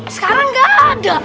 sekarang nggak ada